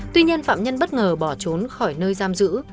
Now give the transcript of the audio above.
tuy nhiên phạm nhân bất ngờ bỏ trốn khỏi nơi giam giữ